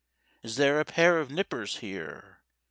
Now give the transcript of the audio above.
Is there a pair of nippers here?